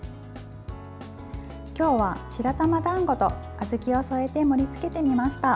今日は白玉だんごと小豆を添えて盛りつけてみました。